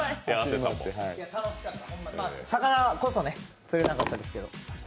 楽しかった、魚こそね、釣れなかったですけど。